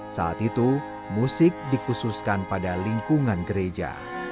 saat itu musik dikhususkan pada lingkungan gereja